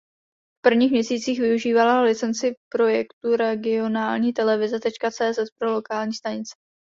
V prvních měsících využívala licenci projektu ragionalnitelevize.cz pro lokální stanice.